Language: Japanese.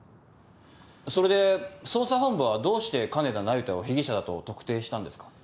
それで捜査本部はどうして金田那由他を被疑者だと特定したんですか？